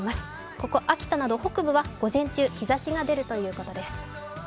ここ秋田など北部は午前中、日ざしが出るということです。